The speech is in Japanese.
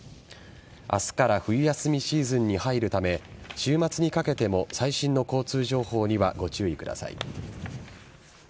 明日から冬休みシーズンに入るため週末にかけても最新の交通情報にはご注意ください。